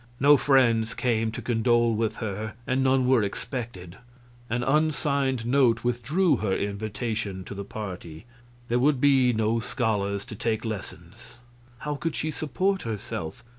No friends came to condole with her, and none were expected; an unsigned note withdrew her invitation to the party. There would be no scholars to take lessons. How could she support herself?